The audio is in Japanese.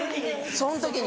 その時に。